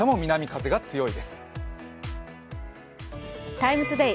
「ＴＩＭＥ，ＴＯＤＡＹ」